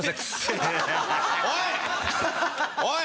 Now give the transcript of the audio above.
おい！